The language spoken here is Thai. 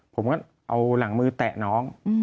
ผมก็เอาหลังมือแตะน้อง